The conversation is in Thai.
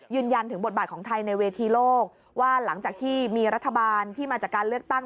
ยืนยันถึงบทบาทของไทยในเวทีโลกว่าหลังจากที่มีรัฐบาลที่มาจากการเลือกตั้ง